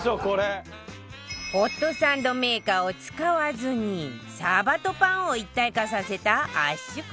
ホットサンドメーカーを使わずにサバとパンを一体化させた圧縮サバサンド